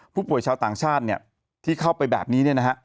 ผู้ป่วยชาวต่างชาติที่เข้าไปแบบนี้